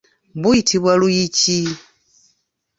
Buyitibwa luyiki.